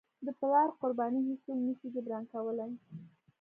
د پلار قرباني هیڅوک نه شي جبران کولی.